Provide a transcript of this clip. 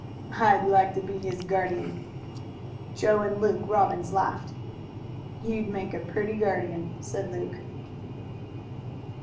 "I'd like to be his guardian." Joe and Luke Robbins laughed. "You'd make a pretty guardian," said Luke.